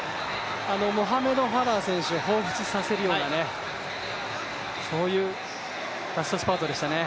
モハメド・ファラー選手をほうふつとさせるような、そういうラストスパートでしたね。